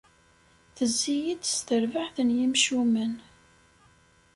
Tezzi-yi-d s terbaɛt n yimcumen.